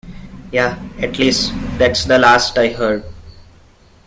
Yeah, at least that's the last I heard.